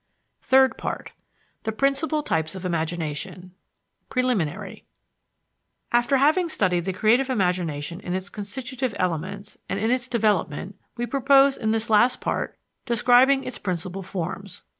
THIRD PART THE PRINCIPAL TYPES OF IMAGINATION PRELIMINARY After having studied the creative imagination in its constitutive elements and in its development we purpose, in this last part, describing its principal forms.